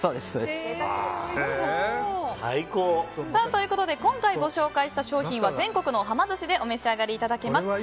ということで今回ご紹介した商品は全国のはま寿司でお召し上がりいただけます。